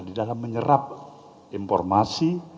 di dalam menyerap informasi